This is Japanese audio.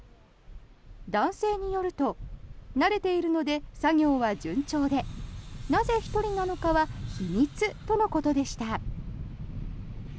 男性によると慣れているので作業は順調でなぜ１人なのかは秘密とのことでした。